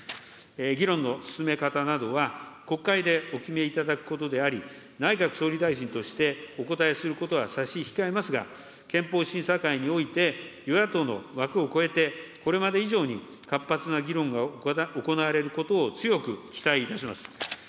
議論の進め方などは、国会でお決めいただくことであり、内閣総理大臣として、お答えすることは差し控えますが、憲法審査会において、与野党の枠を超えて、これまで以上に活発な議論がまた行われることを強く期待いたします。